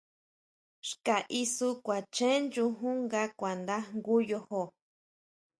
Xka isú kuachen chujun nga kuanda jngu yojo.